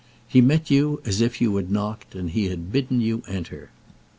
He met you as if you had knocked and he had bidden you enter.